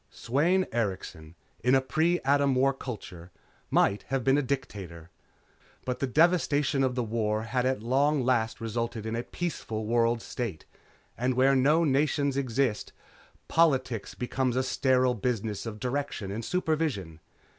Sweyn Erikson, in a pre Atom War culture, might have been a dictator. But the devastation of the war had at long last resulted in a peaceful world state, and where no nations exist, politics becomes a sterile business of direction and supervision.